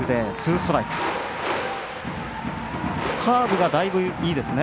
カーブがだいぶいいですね。